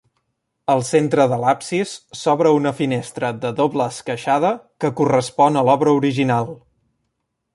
Al centre de l'absis s'obre una finestra de doble esqueixada que correspon a l'obra original.